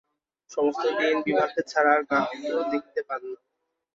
সমস্ত দিন বিভাকে ছাড়া আর কাহাকেও দেখিতে পান না।